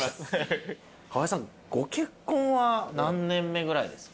川合さんご結婚は何年目ぐらいですか？